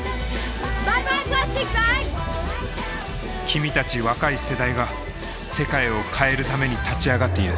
君たち若い世代が世界を変えるために立ち上がっている。